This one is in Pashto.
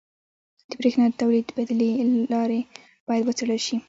• د برېښنا د تولید بدیلې لارې باید وڅېړل شي.